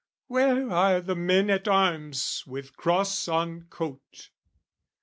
Where are the men at arms with cross on coat?